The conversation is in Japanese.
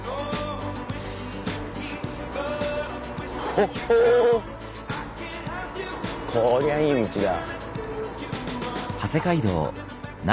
ほっほこりゃいい道だ。